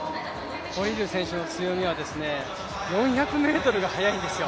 コリル選手の強みは、４００ｍが速いんですよ。